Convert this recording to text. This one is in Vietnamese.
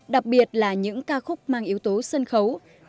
đặc biệt là những ca khúc mang yếu tố sân khấu